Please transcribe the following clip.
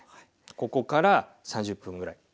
ここから３０分ぐらい。